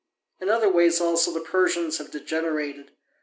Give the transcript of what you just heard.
In other ways also the Persians have degenerated.